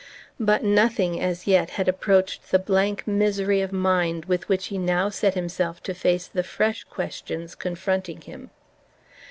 But nothing, as yet, had approached the blank misery of mind with which he now set himself to face the fresh questions confronting him.